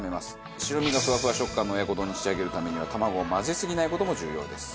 白身がフワフワ食感の親子丼に仕上げるためには卵を混ぜすぎない事も重要です。